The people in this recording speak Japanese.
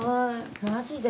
マジで？